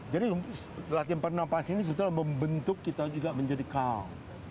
jadi latihan pennafasan ini sebenarnya membentuk kita juga menjadi tenang